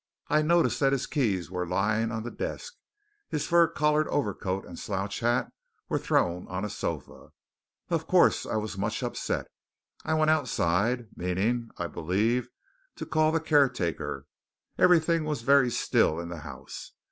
I noticed that his keys were lying on the desk. His fur collared overcoat and slouch hat were thrown on a sofa. Of course, I was much upset. I went outside, meaning, I believe, to call the caretaker. Everything was very still in the house.